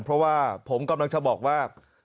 เพราะว่าผมกำลังจะบอกว่า